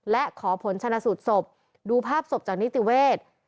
และขอผลชนะสูตรศพดูภาพศพจากนิติเวทย์